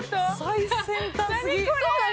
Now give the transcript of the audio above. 最先端すぎ。